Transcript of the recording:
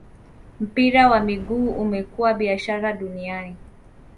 mpira wa miguu umekuwa biashara duaniani